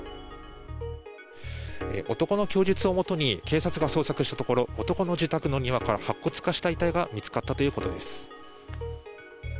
男の供述をもとに警察が捜索したところ男の自宅の庭から白骨化した遺体が見つかったということです。